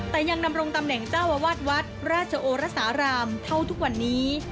แต่ยังดำรงตำแหน่งเจ้าอาวาสวัดราชโอรสารามเท่าทุกวันนี้